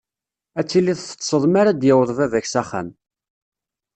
Ad tiliḍ teṭṭseḍ mara d-yaweḍ baba-k s axxam.